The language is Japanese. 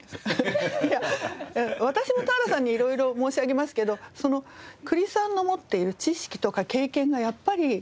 私も田原さんにいろいろ申し上げますけど久利さんの持っている知識とか経験がやっぱり田原さんにとってのなんかこう